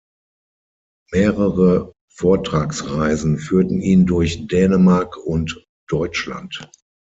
Mehrere Vortragsreisen führten ihn durch Dänemark und Deutschland.